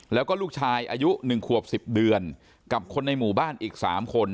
แล้วก็ลูกชายอายุ๑ขวบ๑๐เดือนกับคนในหมู่บ้านอีก๓คน